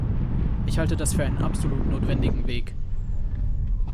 Ich halte das für einen absolut notwendigen Weg.